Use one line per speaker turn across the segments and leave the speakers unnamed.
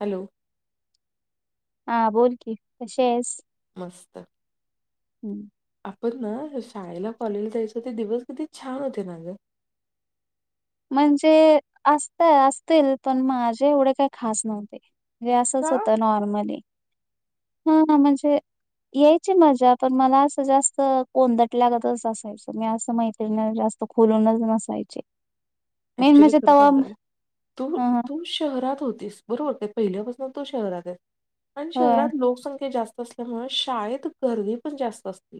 Hello
हां बोल की कसें आहेसं
मस्तं
हम्मं
आपणं नां शाळेलां कॉलेजलां जायचं ते दिवसं किती छांन होते नांगं
म्हणजे असत असतील पण माझे एवढे काही खास नव्हते म्हणे असंच
का?
होत नॉर्मली हा म्हणजे यायची मजा पण मला असं जास्त कोंदट लागतच असं मी असं मैत्रिणी जास्त खुलूनच नसायचे मेन
ऍक्च्युली
म्हणजे
खरं
तवा म-
सांगय तू
हा, हा,
तू शहरात होतीस बरोबर पहिल्यापासून तो शहरात आहे आणि
होय
शहरात लोकसंख्या जास्त त्यामुळे शाळेत गर्दी पण जास्त असते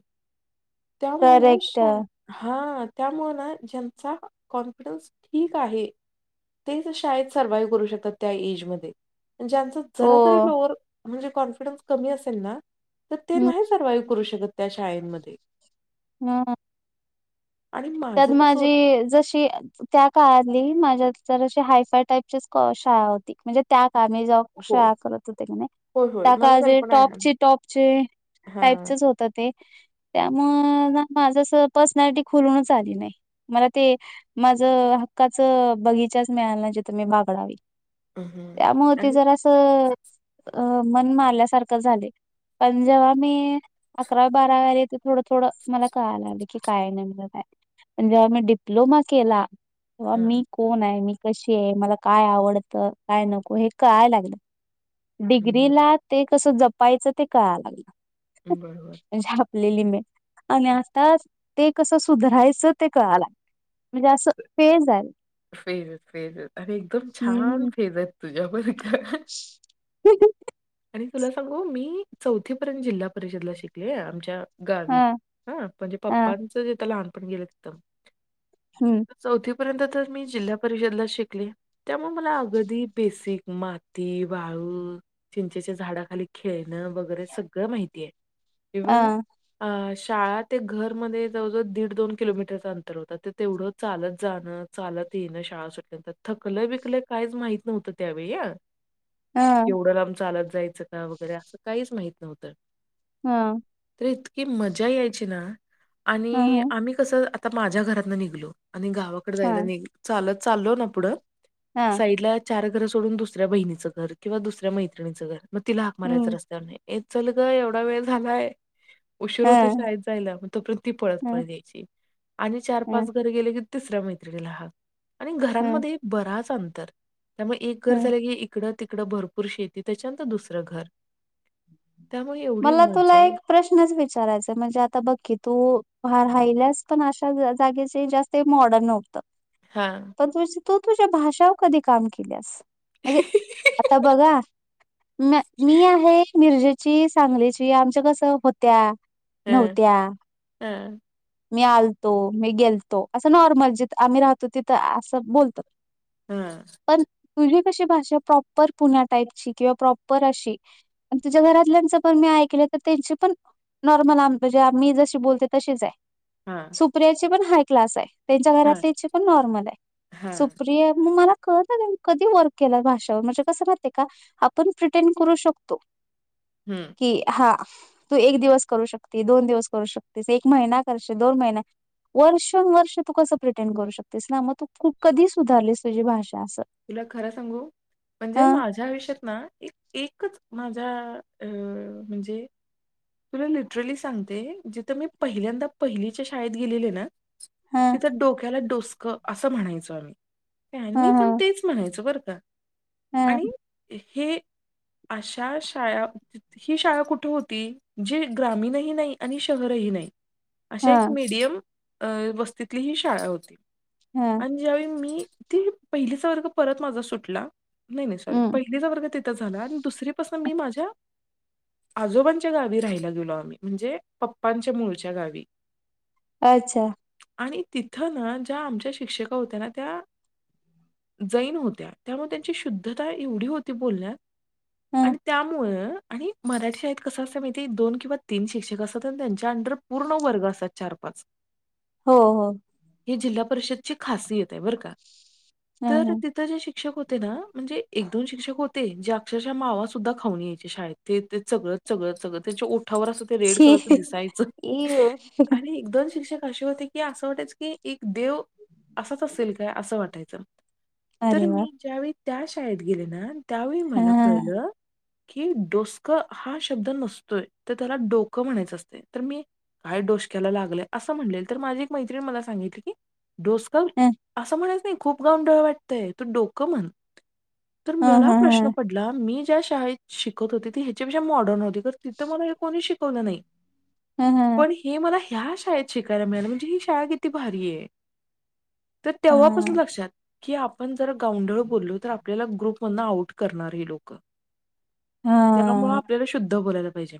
त्यामुच
करेक्ट
शा हा त्यामुळें ना ज्यांचा कॉन्फिडन्स ठीक आहे तेच शाळेत सर्वाइव करू शकतात त्या एजमध्ये ज्यांच
हो
जरा तरी लोअवर म्हणजे कॉन्फिडन्स कमी असेल ना तर ते नाही सर्वाइव्ह करू शकत त्या शाळेंमध्ये
हम् त्यात
कसं होत
माझी जशी त्या काळली माझ्या ज अशी हायफाय टाईपचीच शाळा होती म्हणजे त्या काळ ज कक्ष
हो
करत तगने
होय होय मला
त्याका जे
कल्पना आहे ना
टॉपचे टॉपचे
हा
टाईपचच होतं ते त्यामु ना माझ पर्सनॅलिटी खुलूनच आली नाही मला ते माझ हक्काचं बगीचाच मिळाला ना जेथ मी बागडावी
हं.
त्यामुळे ते
आणि
जर असं अ मन मारल्यासारखं झाले पंजावा मे अकराव बाराव्यालाथे थोडं थोडं मला कळाय लागलं की काय नलं काय ण जेव्हा मी डिप्लोमा केला तेव्हा
हां,
मी कोण आहे मी कशी आहे मला काय आवडत काय नको हे कय लागलं
हं, बरं.
डिग्रीला ते कसं जपायचं ते कळा लागलं
बरोबर
म्हणजे आपलेली मे आणि आता ते कसं सुधरायचं ते कळा लाग
फेरत फेरत आणि एकदम छान फिरत तुझ्याप का
ह
आणि तुला सांगू मी चौथी पर्यंत जिल्हा परिषदला शिकले आमच्या गावी
हा
हा म्हणजे
हा
पप्पांच इथ लहानपण गेलंत
हम्म
चौथीपर्यंत तर मी जिल्हा परिषदला शिकली त्यामुळे मला अगदी बेसिक माती वाळू चिंचेच्या झाडाखाली खेळणं वगैरे सगळं माहिती आहे इव्हन
अ
अ शाळा ते घरमध्ये जवळजवळ दीड दोन किलोमीटरच अंतर होता ते तेवढं चालत जाणं चालत ये ना शाळा सुटल्यानंतर थकलं बिकलं काहीच माहित नव्हतं त्यावेळी या
अ
केवढं लाब चा आलत जायचं का वगैरे असं काहीच माहित नव्हतं
हम
तर इतकी मजा यायची ना आणि.
ह
आम्ही कसं आता माझ्या घरातन निघलो आणि गावाकडे जायला
ह
नि चालत चालो ना पुढं.
हा.
चार घर सोडून दुसऱ्या बहिणीचं घर किंवा दुसऱ्या मैत्रणीचं घर मग तिला हाक मारायं
हम्म
रस्तवर. हे चल ग एवढा वेळ झालाय. उशीर होत
ह
शाळेत जायला मग तोपर्यंत ती पळत
ह
पळत यायची आणि चार पाच घर गेले की. तिसऱ्या मैत्रिणीला हाक आणि
ह
घरांमध्ये बराच अंतर त्यामुळे एक घर
ह
झालं की. तिकडं तिकडं भरपूर शेती त्याच्यानंतर दुसरं घर त्यामुळे एवढी
मला तुला
मजा
एक. प्रश्नच विचारायचा म्हणजे आता बघकी तू राहिल्यास पण अशा जागे जास्त. ते मॉडर्न नव्हतं.
हा.
पण तुझ तो तुझ्या भाषावर कधी काम केल्यास. म्हणजे आता बघा म मी आहे मिरजे ची सांगलीची आमच कस होत्या,
हं.
नव्हत्या.
हां,
मी आलतो, मी गेलतो, असं नॉर्मल जिथ आम्ही राहतो तिथं असं बोलतात.
हां,
पण तुझी. तुझी भाषा प्रॉपर पुण्यात टाईपचे प्रॉपर अशी आणि तुझ्या घरात. पुष्कळजणांचं पण मी ऐकलं तर त्यांची पण नॉर्मल म्हणजे आ मी जशी बोलते तशीच आहे.
हा.
सुप्रियाची पण हाय क्लास आहे, त्यांच्या घरातल्याची पण नॉर्मल आहे,
हां,
सुप्रिया मग मला क नाही कधी वर्क केला भाषेवर म्हणजे कसं माह का आपण प्रिटेन करू शकतो.
हम्म.
कि हा तू एक दिवस करू शकते, दोन दिवस करू शकतेस, एक महिना करश, दोन महिन वर्ष वर्ष तू कसं प्रेटेंड करू शकतेस ना मग तूू कधी सुधारलीस तुझी भाषा असं.
तुला खरं सांगू म्हणजे
ह
माझ्या आयुष्यात ना एक एकच माझ्या अ म्हणजे, तुला लिटरली सांगते जिथं मी पहिल्यांदा पहिलीच्या शाळेत गेलेले ना.
ह
तिथं डोक्याला डोसकं असं म्हणायचो आम्ही
ह
मी पण म्हणायच बर का,
ह
आणि हे अशा शाळा. ही शाळा कुठे होती जी ग्रामीणही नाही आणि शहरही नाही.
ह
अशा एक
ह
मीडियम अ वस्तीतली ही शाळा होती.
हा.
आणि ज्यावेळी मी ती पहिलीचा वर्ग परत माझा सुटला नाही नाही सॉरी
हम्
पहिली चा वर्ग झाला आणि दुसरीपसून मी माझ्या. आजोबांच्या गावी राहायला गेलो आम्ही म्हणजे पप्पांच्या मूळच्या गावी.
अच्छा!
आणि तिथं ना ज्या आमच्या शिक्षिक होत्या ना त्या. जैन होत्या, त्यामुळे त्यांची शुद्धता एवढी होती बोलण्यात
ह
आणि त्यामुळं. आणि मराठी शाळेत कसं असतं माहितीे दोन किंवा तीन शिक्षक असतात आणि त्यांच्या अंडर पूर्ण वर्ग असतात चार पाच. [inaudible]
हो, हो.
हे जिल्हा परिषदची खासियत आहे बरं का,
ह
तर
ह
तिथं जे शिक्षक होते ना. म्हणजे एक दोन शिक्षक होते जे अक्षरशः मावासुद्धा खाऊन यायचे शाळेत ते ते चगळत चगळंत चगळंत त्यांच्या ओठावर अस, ते रेड
छी
कलरच दिसायच
इव.
आणि एक दोन शिक्षक असे होते. की असं वाटायचं की एक देव असाच असेल काय असं वाटायचं. तर
अरे वा
मी ज्यावेळी त्या शाळेत गेले ना त्यावेळी
ह
मला कळलं. कि डोसक हा शब्द नसतोय तर त्याला डोकं म्हणायचं असते तर मी. काय डोसक्याला लागलंय, असं म्हणलेल तर माझी एक मैत्रिणी मला सांगितली की डोसक.
हम!
असं म्हणाच नाही खूप गाऊंडळ वाटतंय तू डोकं म्हण तर
ह
मला प्रश्न
ह
पडला. मी ज्या शाळेत शिकत होती ती ह्याच्यापेक्षा मॉडर्न होती तर तिथं मला कोणी शिकवलं नाही.
ह, ह, ह!
पण हे मला ह्या शाळेत शिकायला मिळाल म्हणजे ही शाळा किती भारी आहे. तर तेव्हा पासून लक्षात की आपण जर गावंढळ बोललो तर आपल्याला ग्रुप आऊट करणार हे लोक त्यामुळे आपल्याला शुद्ध बोलायला पाहिजे.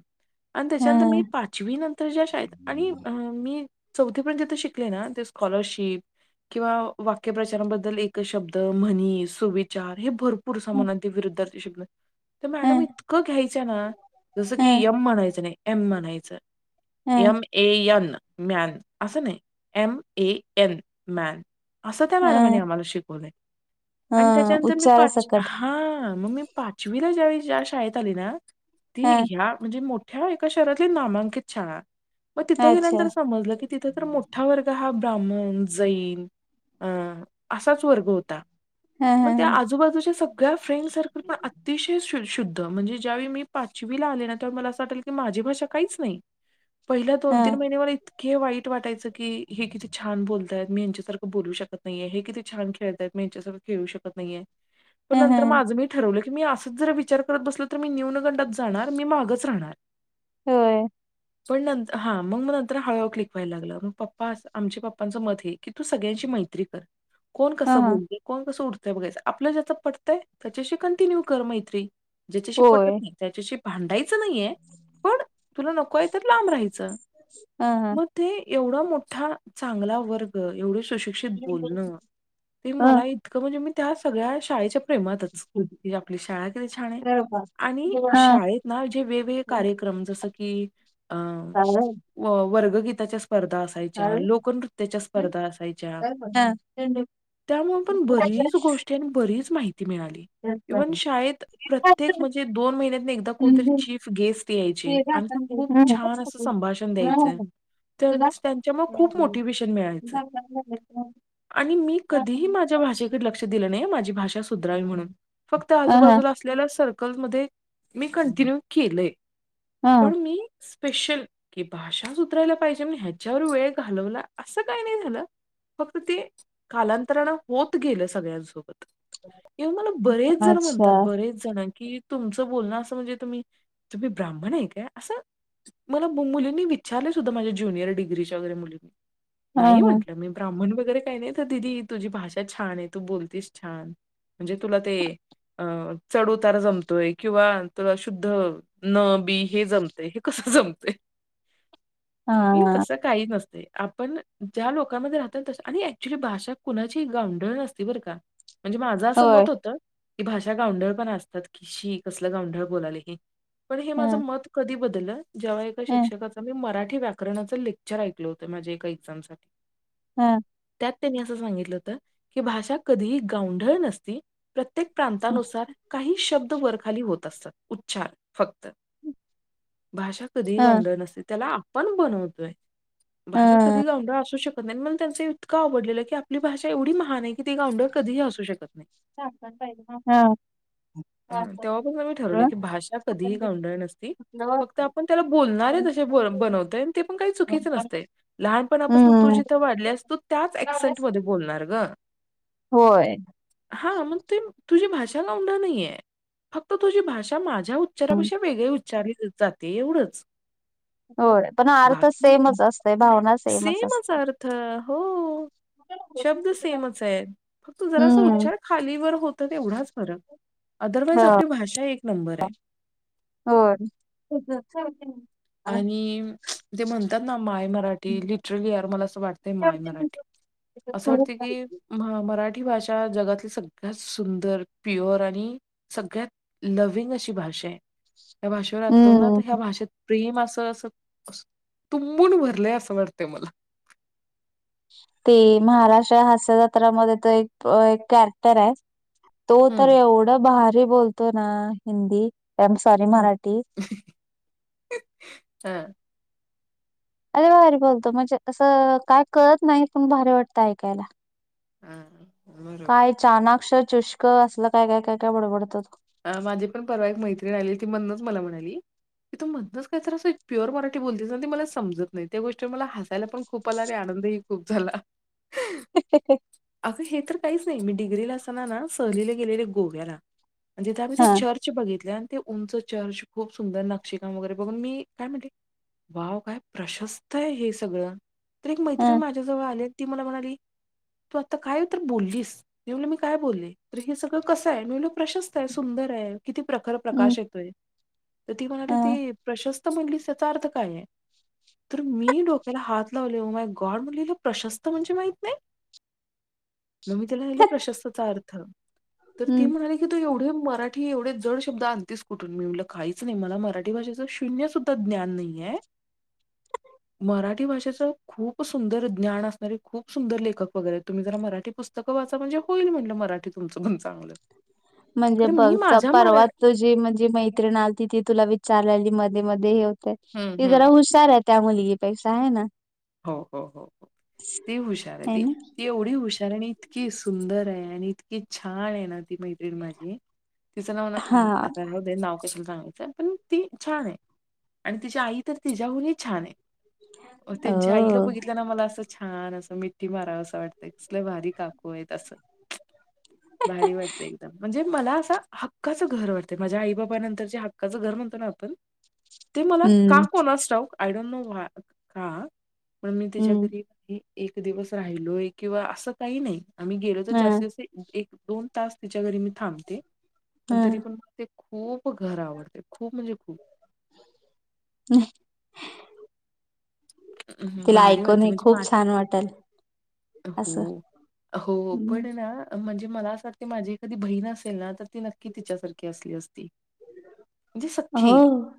आणि त्याच्यानंतर मी पाचवी नंतर ज्या शाळेत आणि अ मी चौथी पर्यंत जिथ शिकले ना ते स्कॉलरशिप किंवा वाक्यप्रचारबद दल एक शब्द म्हणी, सुविचार, हे भरपूर समानार्थी, विरुद्धचे शब्द तर मॅडम इतकं घ्यायचं ना जसं की यम म्हणायचं नाही एम म्हणायचं. M A N. मॅन असं नाही एम ए एन मॅन असं त्या मॅडमने आम्हाला शिकवलाय अन् त्याच्यानंतर मी
उच्चारा
पाच
सकट
हा मग मी पाचवीला ज्यावेळी ज्या शाळेत आली ना ती
ह
ह्या म्हणजे मो ठ्या एका शहरातली नामांकित शाळा मग तिथं
अच्छा
गेल्यानंतर समजलं की. तिथं तर मोठा वर्ग हा ब्राह्मण जैन अं असाच वर्ग होता
ह ह
मग त्या आजूबाजूच्या सग ळ्या फ्रेंड सर्कल पण अतिशय शु शुद्ध द्ध म्हणजे ज्यावेळी मी पाचवीला आले ना त्यावेळी मला असं वाटेल की माझी भाषा काहीच नाही. पहिल्या
ह
दोन तीन महिने मला इतके वाईट वाटायचं की हे किती छा छान बोलतायत मी यांच्यासारखं बोलू शकत नाहीये हे किती छान खेळतयत मी यांच्यासारखं खेळू शकत नाहीे ये.
ह
पण
ह
नंतर मग
ह
माझं मी ठरवले की. मी असंच जर विचार करत बसल तर मी न्यनगंडात जाणार मी मागच राहणार.
होय.
पण नंत हा मग मग नंतर हळू-हळू क्लिक व्हायला लागलं मग पप्पा आमच्या पप्पांचं मत हे. की तू सगळ्यांशी मैत्री कर. कोण
ह
कसं
ह
बोलतय कोण कसं उडतंय बघायचं आपलं ज्याच पटतंय त्याच्याशी कंटिन्यू कर मैत्री. ज्याच्याशी पटत
होय
नाही त्याच्याशी भांडायचं नाहीये पण तुला नक य तर लांब राहायचं
ह ह
मग. ते एवढा मोठा चांगला वर्ग एवढे सुशिक्ष
[unintelligible]
ते मला इतकं म्हणजे मी त्या सगळ्या शाळेच्या प्रेमातच की आपली शाळा किती छान आहे. आणि
ह
शाळेत ना जे वेगवेगळे कार्यक्रम जसं की अं व वर्गगीताच्या स्पर्धा असायच्या लोकनृत्याच्या स्पर्धा असायच्या.
हा. [unintelligible] [unintelligible]
त्यामुळे पण बरीच गोष्टी आणि बरीच माहिती मिळाली. इव्हन शाळेत प्रत्येक म्हणजे दोन महिन्यात एकदा कोणतरी चीफ गेस्ट ते यायचे आणि ते खूप छान असं संभाषण द्यायचंय. त्यांच्यामुळे खूप मोटिवेशन मिळायचं. आणि मी कधीही माझ्या भाषेकडे लक्ष दिलं नाही माझी भाषा. भाषा सुधारावी म्हणून फक्त आजूबाजूला असलेल्या सर्कलमध्ये मी कंटिन्यू केलंय
ह
पण मी स्पेशल कि भाषा सुधरायला पाहिजे मग ह्याच्यावर वेळ घालवला असं काही नाही झालं. फक्त ते कालांतराण होत गेलं सगळ्यांसोबत. येऊन मला बरेच जण
अच्छा
म्हणतात बरेच जण कि तुमचं बोलणं असं म्हणजे तुम्ही तुम्ही ब्राह्मण आहे काय असं. मला मुलींनी विचारले सुद्धा माझ्या ज्यनियर डिग्रीच्या वगैरे मुलींनी
ह
नाही
ह
म्हटलं मी ब्राह्मण वगैरे काही नाही तर दिदी तुझी भाषा छान आहे तू बोलतीस छान. म्हणजे तुला ते अ चढउतार जमतोय किंवा तुला शुद्ध न बी हे जमतेय हे कस जमतय.
ह
तस काही नसतं आपण ज्या लोकांमध्ये राहतो तसं आणि एक्च्युली भाषा कुणाची गावंढळ नसती बरं का म्हणजे माझं असं
होय
मत होतं. की भाषा गावंढळ पण असतात किशी कसलं गांंवढळ बोलाले हे पण हे
ह
माझं मत. कधी बदल जेव्हा एका
ह ह
शिक्षकाचा मी मराठी व्या करण्याचं लेक्चर ऐकलं होतं माझ्या एका एक्झाम साठी.
हा.
त्यात त्यांनी असं सांगितलं होत की भाषा कधीही गावंढळ नसती. प्रत्येक प्रांतानुसार काही शब्द वरखाली होत असतात उच्चार. फक्त भाषा कधीही गाऊंडळ नसते त्याला आपण बनवतोय. भाषा कधी गावंढळ असू शकत नाही. मला त्यांच इतकं आवडलेलं की आपली भाषा एवढी महान आहे कि ती गावंढळ कधीही असू शकत नाही. ह तेव्हा पण म मी ठरवले
ह ह
की भाषा कधीही
ह
गावंढळ नसती फक्त
हम्म.
आपण त्याला बोलणारेच असे ब बनवतय, आणि ते पण काही चुकीच नसते. लहानपणापासन तू जिथं वाढल्यास, तू त्याच ऍक्सेंट मध्ये बोलणार ग.
होय.
हा मग ती तुझी भाषा गावंढळ नाहीये. फक्त तुझी भाषा माझ्या माझ्या उच्चारापेक्षा वेगळे उच्चार जाते एवढंच.
हो पण अर्थ
बाकी
सेमच असतय. भावना
सेमच अर्थ, हो. शब्द सेमच आहेत. फक्त जरा
हम्म
उच्चार खालीवर होत तो तेवढाच फरक. अदरवाईज
ह
आपली भाषा एक नंबर आहे.
होय [unintelligible]
आणि ते म्हणतात ना माय मराठी लिटलरी यार, मला असं वाटत ते माय मराठी. असं वाटते की मराठी भाषा जगातली सगळ्यात सुंदर, प्युअर आणि सगळ्यात नविन्य अशी भाषा आहे. या भाषेवर आतोनात ह्या
हम्म
भाषेत प्रेम असं असं, तुंबून भरलंय असं वाटते मला.
ते महाराष्ट्र हास्य जत्रामध्ये तर, एक कॅरेक्टर आहे तो तर
हम्म
एवढं भारी बोलतो ना हिंदी आय एम सॉरी
हम्म
मराठी.
[inaudible]
अरे भारी बोलतो. म्हणजे असं काय कळत नाही पण भारी वाटतं ऐकायला.
हम्म.
काय चानाक्ष चुष्क असलं काय काय काय काय बडबडत असतो.
अ माझी पण परवा एक मैत्रीण आलेली ती मध्नच मला म्हणाली की तू मध्नच काहीतर अस एक प्युअर मराठी बोलतीस ना तू ते मला समजत नाही, त्या गोष्टीव मला हासायला पण खूप आला आणि आनंदही खूप झाला.
[inaudible]
अगं हे तर काहीच नाही मी डिग्री ला असताना ना सहलीला गेलेले गोव्याला, आणि तिथे आम्ही ते
हा.
चर्च बघितले आणि ते उंच चर्च खूप सुंदर नागक्षिका वगैरे बघून मी काय म्हटलं वाव काय प्रशस्त आहे हे सगळं. तर एक मैत्रिणी
हं
माझ्याजवळ आले ती मला म्हणाली तू आता काय तर बोललीस. मी म्हणलं काय बोलले तर हे सगळं कसं आहे? मी म्हणलं प्रशस्त सुंदर आहे किती प्रखर
हं
प्रकाश येतोय. तर ती म्हणाली
हं
ती प्रशस्त म्हणलीस त्याचा अर्थ काय हाय. तर मी डोक्याला हात लावले ओ माय गॉड मुलीला प्रशस्त म्हणजे माहित नाही. मग मी तिला सांगितले प्रशस्तचा अर्थ, तर ती
हं.
म्हणाली "की एवढे मराठी एवढे जड शब्द आणतीस कुठून. मी म्हणलं काहीच नाही मला मराठी भाषेच शून्य सु त ज्ञान नाही आहे. मराठी भाषेचं खूप सुंदर ज्ञान असणारे खूप सुंदर लेखक वगैरे आहेत. तुम्ही जरा मराठी पुस्तक पुस्तक वाचा म्हणजे होईल म्हणलं मराठी तुमचं पण चांगलं.
म्हणजे
कारण
बघ
मी
च
माझ्या मरा
परवा तुझी म्हणजे मैत्रिण आलती ती तुला विचारलेली मध्ये मध्ये हे होते.
हं,
ती
हं.
जरा हु शार आहे त्या मुली ही पेक्षा. हाय ना?
हो हो हो हो ती हुशार आहे ती. ती एवढी हुशार आणि इतकी सुंदर आहे आणि इतकी छान आहे ना ती म मैत्रीण माझी. तिचं नाव ना
हा
आता राहुदे नाव कशाला सांगायचं पण ती छान आहे आणि तिची आई तर तिच्या्याहून ही छान आहे.
ह [unintelligible]
अ, त्यांच्या आईला बघितलं ना मला असं छान असं मिठी मारावं असं वाटतंय, कसल्या भारी काकू आहेत असं. भारी वाटते एकदम म्हणजे मला असं हक्काचं घर वाटतंय माझ्या आई बाबा नंतर जे हक्काचं घर म्हणतो ना आपण ते मला
हम्म
का कोणा स्टाऊक आय डोंट नो का पण मी त्याच्या
हम्म
घरी एक दिवस राहिलोय किंवा असं काही नाही आम्ही गेलो तर
हं
जास्त एक दोन तास तिच्या घरी मी थांबते पण तरी
हं.
पण ते खूप घर आवडते खूप म्हणजे खूप ते
हम्
हं,
तिला
भारी
ऐकून
वाटते
हे
म्हणजे मा
खूप छान वाटेल असं
हो हो
हम्म.
पण ना म्हणजे मला अस वाटते माझी ए कधी बहीण असेल ना तर ती नक्की तिच्यासारखी असली असती म्हणजे स्खी
हो.